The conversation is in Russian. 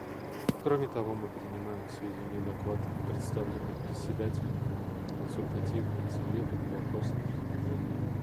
Кроме того, мы принимаем к сведению доклад, представленный Председателем Консультативного совета по вопросам разоружения.